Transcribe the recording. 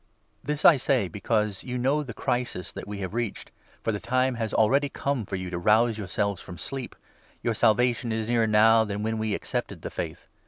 This I say, because you know the crisis that n the Approach we have reached, for the time has already come of The Day.1 for yOu to rouse yourselves from sleep; our Salvation is nearer now than when we accepted the Faith.